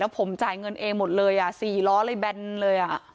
แล้วผมจ่ายเงินเองหมดเลยสี่ล้อเลยแบนเลยน่ะ